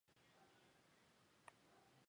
小鼩鼱为鼩鼱科鼩鼱属的动物。